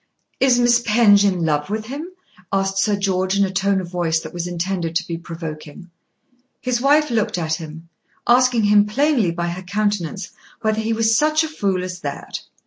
"Is Miss Penge in love with him?" asked Sir George in a tone of voice that was intended to be provoking. His wife looked at him, asking him plainly by her countenance whether he was such a fool as that?